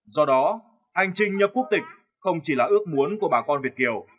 do đó hành trình nhập quốc tịch không chỉ là ước muốn của bà con việt kiều